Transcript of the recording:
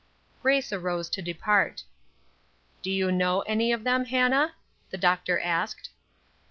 Grace arose to depart. "Do you know any of them, Hannah?" the doctor asked.